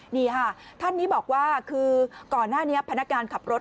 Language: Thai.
นี่ค่ะท่านนี้บอกว่าคือก่อนหน้านี้พนักการขับรถ